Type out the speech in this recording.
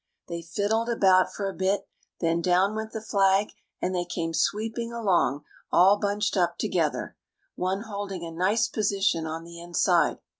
They fiddled about for a bit; then down went the flag and they came sweeping along all bunched up together, one holding a nice position on the inside.